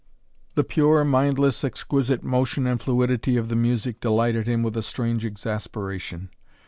The pure, mindless, exquisite motion and fluidity of the music delighted him with a strange exasperation.